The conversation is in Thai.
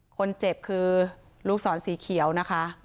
คนเจ็บคือลูกศรสีเขียวนะคะ